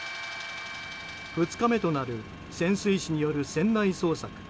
２日目となる潜水士による船内捜査。